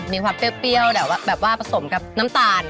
มีความเปรี้ยวแบบว่าประสงค์กับน้ำตาล